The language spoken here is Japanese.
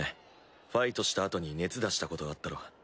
ファイトしたあとに熱出したことあったろ？